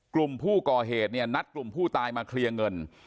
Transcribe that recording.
กลุ่มผู้ก่อเหตุเนี่ยนัดกลุ่มผู้ตายมาเคลียร์เงิน